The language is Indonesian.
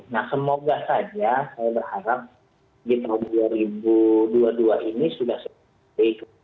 nah semoga saja saya berharap di tahun dua ribu dua puluh dua ini sudah seperti itu